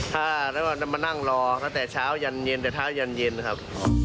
ถ้าได้ว่าจะมานั่งรอตั้งแต่เช้ายันเย็นแต่เช้ายันเย็นครับ